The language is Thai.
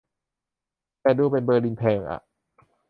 แต่ดูเป็น เบอร์ลินแพงอ่ะ